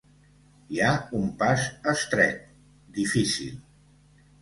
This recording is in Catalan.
Hi ha un pas estret, difícil.